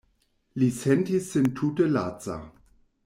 Li sentis sin tute laca.